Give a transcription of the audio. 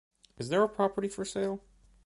Is there a property for sale?